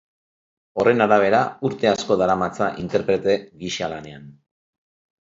Horren arabera, urte asko daramatza interprete gisa lanean.